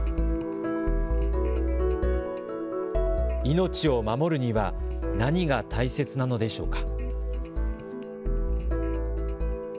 命を守るには何が大切なのでしょうか。